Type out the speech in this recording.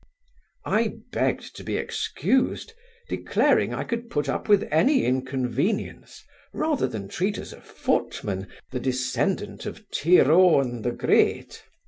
I begged to be excused, declaring I could put up with any inconvenience, rather than treat as a footman the descendant of Tir Owen the Great.